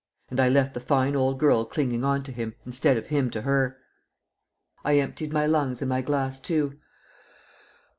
And I left the fine old girl clinging on to him, instead of him to her!" I emptied my lungs and my glass too.